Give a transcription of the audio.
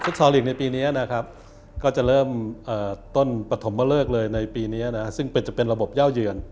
และฝูทซอลรีกในปีนี้ก็จะเริ่มต้นปฐมเลือกเลยซึ่งเป็นระบบเย่าเหยื่อน